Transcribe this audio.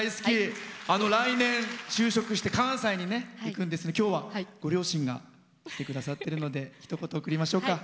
来年就職して関西に行くんですが今日はご両親が来てくださっているのでひと言、送りましょうか。